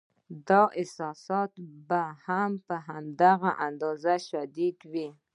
دا احساسات به هم په هغه اندازه شدید وي.